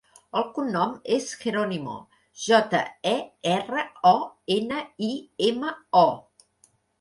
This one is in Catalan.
El cognom és Jeronimo: jota, e, erra, o, ena, i, ema, o.